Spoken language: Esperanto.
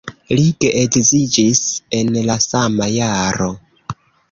Li geedziĝis en la sama jaro.